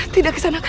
tidak bisa naka